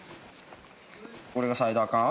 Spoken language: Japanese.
これがサイダーかん？